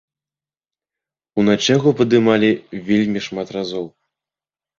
Уначы яго падымалі вельмі шмат разоў.